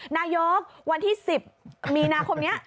นายกวันที่๑๐มีนาคมนี้